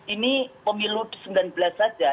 ini pemilu sembilan belas saja